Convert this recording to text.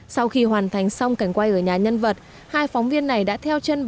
sau khi hoàn thành xong cảnh quay ở nhà nhân vật hai phóng viên này đã theo chân